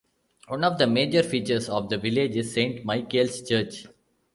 One of the major features of the village is Saint Michael's Church.